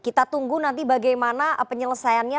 kita tunggu nanti bagaimana penyelesaiannya